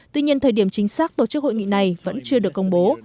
tuy nhiên thời điểm chính xác tổ chức hội nghị này vẫn chưa được công bố